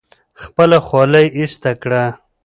خپله خولۍ ایسته کړه.